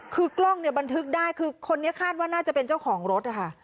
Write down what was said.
คือกล้องเนี่ยบันทึกได้คือคนนี้คาดว่าน่าจะเป็นเจ้าของรถนะคะ